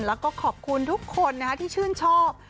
แล้วก็ขอบคุณทุกคนที่ชื่นชอบ